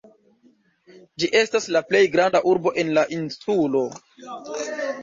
Ĝi estas la plej granda urbo en la insulo.